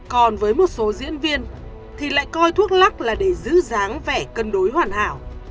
còn với một số diễn viên thì lại coi thuốc lắc là để giữ dáng vẻ cân đối hoàn hảo